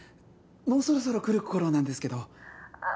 もうそろそろ来る頃なんですけど。